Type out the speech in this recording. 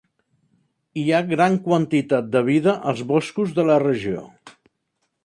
Hi ha gran quantitat de vida als boscos de la regió.